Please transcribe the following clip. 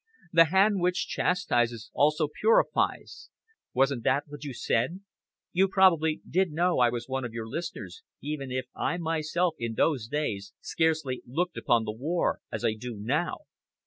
'The hand which chastises also purifies.' Wasn't that what you said? You probably didn't know that I was one of your listeners, even I myself, in those days, scarcely looked upon the war as I do now.